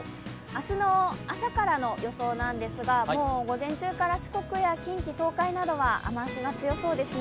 明日の朝からの予想なんですけど、午前中から四国や近畿、東海などは雨足が強そうですね。